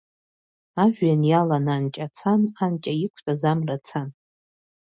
Ажәҩан иалан анҷа цан, анҷа иқәтәаз амра цан.